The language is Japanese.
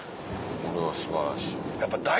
これは素晴らしい。